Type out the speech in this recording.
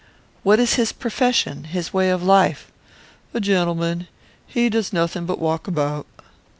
"What is his profession, his way of life?" "A gentleman. He does nothing but walk about."